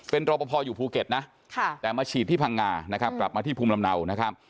เป็นรอปภอยู่ภูเก็ตนะแต่มาฉีดที่พังงานะครับกลับมาที่ภูมิลำเนานะครับ